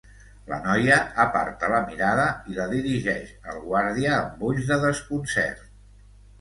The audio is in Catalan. La noia aparta la mirada i la dirigeix al guàrdia amb ulls de desconcert.